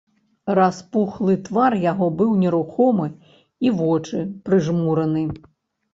Распухлы твар яго быў нерухомы, і вочы прыжмураны.